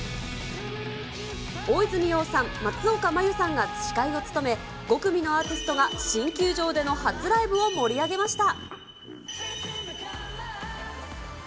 大泉洋さん、松岡茉優さんが司会を務め、５組のアーティストが新球場での初ライブを盛り上げました。